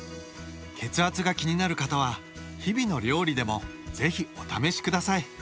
血圧が気になる方は日々の料理でも是非お試しください！